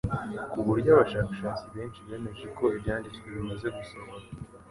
ku buryo abashakashatsi benshi bemejwe ko Ibyanditswe bimaze gusohora.